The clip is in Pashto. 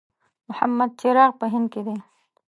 محمد چراغ په هند کې دی.